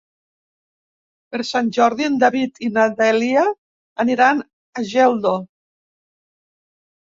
Per Sant Jordi en David i na Dèlia aniran a Geldo.